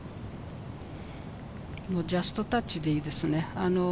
ジャストタッチでいいですね。